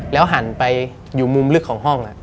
หันไปอยู่มุมลึกของห้อง